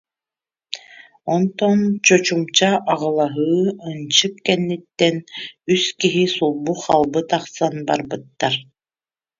Онтон чочумча аҕылаһыы, ынчык кэнниттэн үс киһи сулбу-халбы тахсан барбыттар